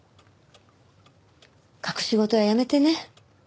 隠し事はやめてね。